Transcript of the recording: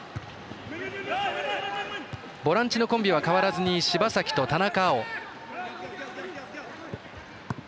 ボランチのコンビ変わらず柴崎と田中碧。